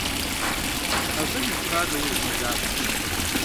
Къэвэн иуха нэужь мэжабзэ.